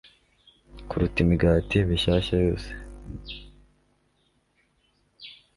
Kuruta Imigati Mishyashya yose